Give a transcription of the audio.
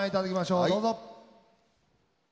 どうぞ。